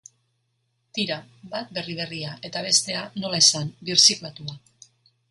Tira, bat berri berria eta bestea, nola esan, birziklatua.